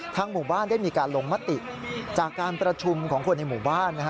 หมู่บ้านได้มีการลงมติจากการประชุมของคนในหมู่บ้านนะฮะ